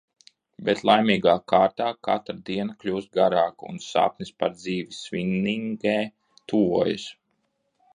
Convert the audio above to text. Bet laimīgā kārtā katra diena kļūst garāka un sapnis par dzīvi Svinningē tuvojas.